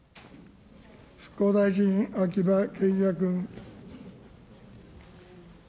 復興大臣、秋葉賢也君。